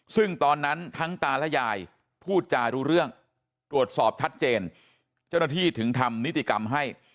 ซึ่งตอนนั้นทั้งตาและยายพูดจารู้เรื่องตรวจสอบชัดเจนเจ้าหน้าที่ถึงทำนิติกรรมให้